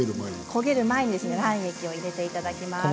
焦げる前に卵液を入れていただきます。